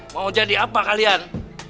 mau jadi apa kalian